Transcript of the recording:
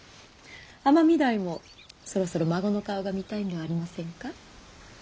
尼御台もそろそろ孫の顔が見たいのではありませんか。